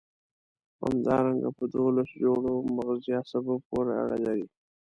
همدارنګه په دوولس جوړو مغزي عصبو پورې اړه لري.